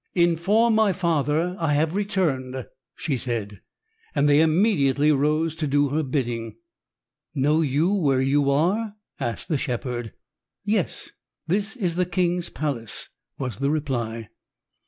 "Inform my father I have returned," she said, and they immediately rose to do her bidding. "Know you where you are?" asked the shepherd. "Yes; this is the king's palace," was the reply.